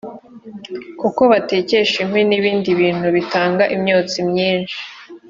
kuko batekesha inkwi n’ibindi bintu bitanga imyotsi myinshi